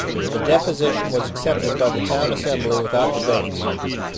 The deposition was accepted by the town assembly without debate.